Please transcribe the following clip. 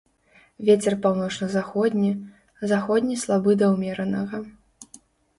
Вецер паўночна-заходні, заходні слабы да ўмеранага.